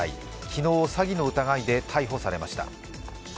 昨日、詐欺の疑いで逮捕されました。